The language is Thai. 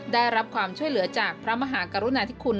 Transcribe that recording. ได้รับความช่วยเหลือจากพระมหากรุณาธิคุณ